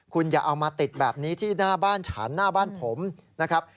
คุณอย่าเอามาติดแบบนี้ที่หน้าบ้านฉันหน้าบ้านผมนะครับ